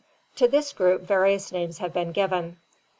— To this group various names have been given.